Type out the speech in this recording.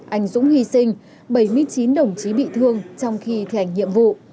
anh dũng hy sinh bảy mươi chín đồng chí bị thương trong khi thẻnh nhiệm vụ